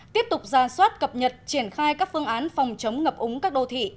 tiếp tục gia soát cập nhật triển khai các phương án phòng chống ngập ứng các đô thị